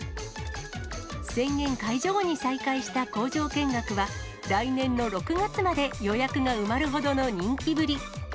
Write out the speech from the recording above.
宣言解除後に再開した工場見学は、来年の６月まで予約が埋まるほどの人気ぶり。